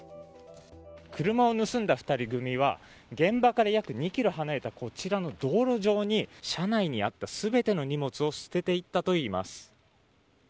車を盗んだ２人組は現場から約２ｋｍ離れたこちらの道路上に車内にあった全ての荷物を捨てていったといいます。